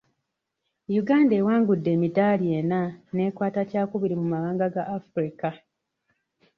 Yuganda yawangudde emidaali enna, n'ekwata kyakubiri mu mawanga ga Africa.